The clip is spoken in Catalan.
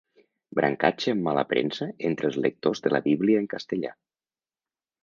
Brancatge amb mala premsa entre els lectors de la Bíblia en castellà.